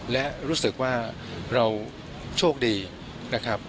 และรู้สึกว่าเราโชคดีนะครับ